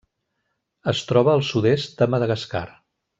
Es troba al sud-est de Madagascar.